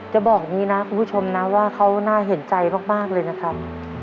จะบอกอย่างนี้นะคุณผู้ชมนะว่าเขาน่าเห็นใจมากเลยนะครับ